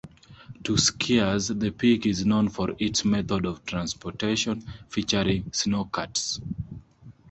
To skiers, the peak is known for its method of transportation, featuring snowcats.